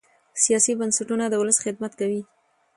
سیاسي بنسټونه د ولس خدمت کوي